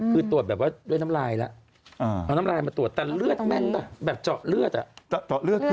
คือตรวจแบบว่าด้วยน้ำลายแล้วเอาน้ำลายมาตรวจแต่เลือดแม่นแบบเจาะเลือดอ่ะ